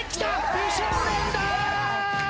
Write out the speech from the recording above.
美少年だ！